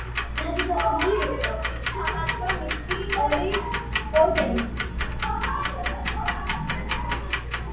დაჯილდოვებული იყო „საპატიო ნიშნის“ ორი ორდენით.